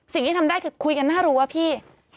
สิ่งที่ทำได้คือคุยกันหน้ารั้วพี่